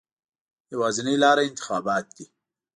یوازینۍ لاره انتخابات دي.